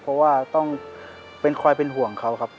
เพราะว่าต้องเป็นคอยเป็นห่วงเขาครับ